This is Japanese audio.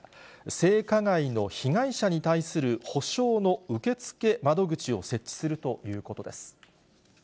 性加害の被害者に対する補償の受け付け窓口を設置するということです。